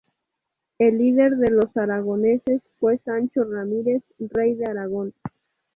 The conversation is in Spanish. El líder de los aragoneses fue Sancho Ramírez, rey de Aragón.